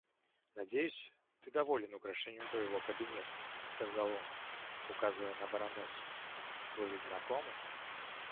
Надеюсь, ты доволен украшением твоего кабинета, — сказал он, указывая на баронессу.— Вы ведь знакомы?